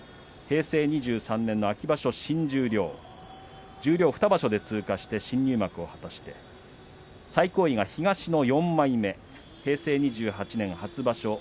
平成２３年の秋場所、新十両十両を２場所で通過して新入幕して最高位が東の４枚目平成２８年初場所